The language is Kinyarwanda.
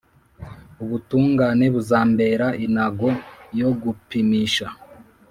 Ubutungane buzambera inago yo gupimisha,